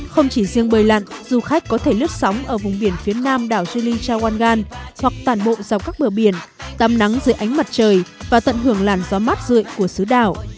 không chỉ riêng bơi lặn du khách có thể lướt sóng ở vùng biển phía nam đảo juli chawangan hoặc tản bộ dọc các bờ biển tạm nắng dưới ánh mặt trời và tận hưởng làn gió mát rượi của xứ đảo